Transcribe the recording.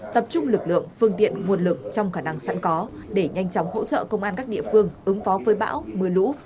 tập trung lực lượng phương tiện nguồn lực trong khả năng sẵn có để nhanh chóng hỗ trợ công an các địa phương ứng phó với bão mưa lũ